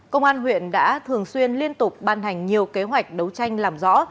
công an huyện đã thường xuyên liên tục ban hành nhiều kế hoạch đấu tranh làm rõ